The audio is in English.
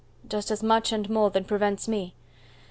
"Just as much and more than prevents me.